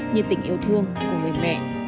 như tình yêu thương của người mẹ